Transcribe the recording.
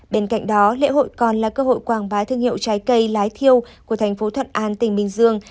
bên cạnh đó lễ hội còn là cơ hội quảng bá thương hiệu trái cây lái thiêu của thành phố thuận an tỉnh bình dương